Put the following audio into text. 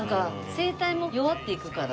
声帯も弱っていくから。